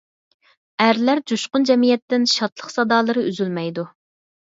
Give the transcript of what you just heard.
ئەرلەر جۇشقۇن جەمئىيەتتىن شادلىق سادالىرى ئۈزۈلمەيدۇ.